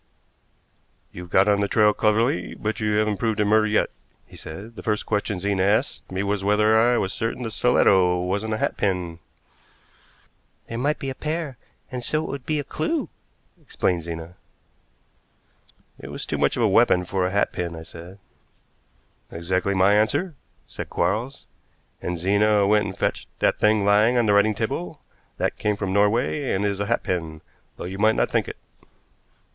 "You've got on the trail cleverly, but you haven't proved it murder yet," he said. "The first question Zena asked me was whether I was certain the stiletto wasn't a hatpin." "There might be a pair, and so it would be a clew," explained Zena. "It was too much of a weapon for a hatpin," I said. "Exactly my answer," said Quarles, "and Zena went and fetched that thing lying on the writing table. That came from Norway and is a hatpin, though you might not think it."